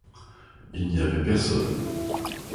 Il n'y avait personne.